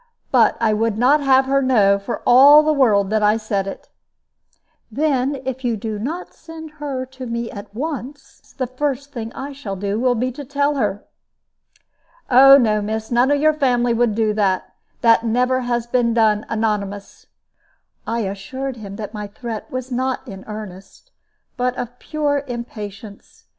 But I would not have her know for all the world that I said it." "Then if you do not send her to me at once, the first thing I shall do will be to tell her." "Oh no, miss, none of your family would do that; that never has been done anonymous." I assured him that my threat was not in earnest, but of pure impatience.